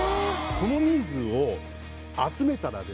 この人数を集めたらですね